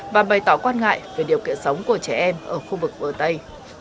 và bày tỏ quan ngại về điều kiện sống của trẻ em ở khu vực bờ tây